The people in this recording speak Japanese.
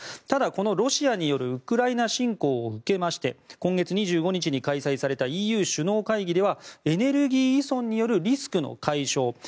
ただ、ロシアによるウクライナ侵攻を受けまして今月２５日に開催されたＥＵ首脳会議ではエネルギー依存によるリスクの解消。